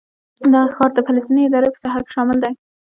دا ښار د فلسطیني ادارې په ساحه کې شامل دی.